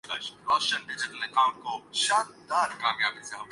ان کی برآمدات ہم سے کہیں زیادہ ہیں۔